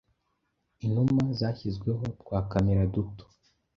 inuma zashyizweho twa camera duto